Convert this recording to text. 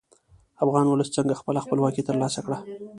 افغان ولس څنګه خپله خپلواکي تر لاسه کړه؟